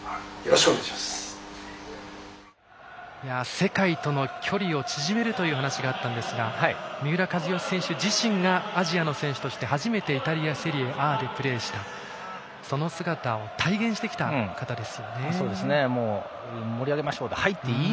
「世界との距離を縮める」という話があったんですが三浦知良選手自身がアジアの選手として初めてイタリア・セリエＡでプレーしてきた、それを体現してきた方ですね。